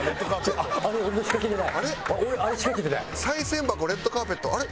賽銭箱レッドカーペットあれ？